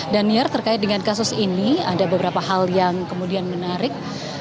daniar terkait dengan kasus ini ada beberapa hal yang kemudian menarik